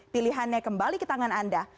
pilihannya kembali ke tangan anda